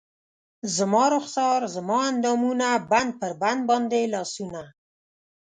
زما رخسار زما اندامونه بند پر بند باندې لاسونه